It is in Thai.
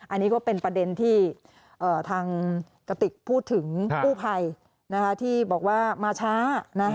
อันนี้ก็เป็นประเด็นที่ทางกติกพูดถึงกู้ภัยที่บอกว่ามาช้านะ